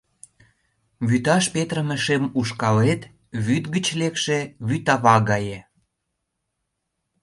Вӱташ петырыме шем ушкалет — вӱд гыч лекше Вӱдава гае.